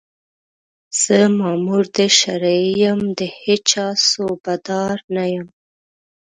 زه مامور د شرعي یم، د هېچا صوبه دار نه یم